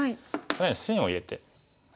このように芯を入れて。